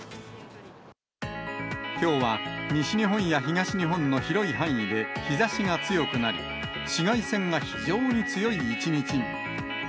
きょうは西日本や東日本の広い範囲で日ざしが強くなり、紫外線が非常に強い一日に。